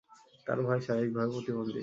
তার ভাই শারীরিকভাবে প্রতিবন্ধী।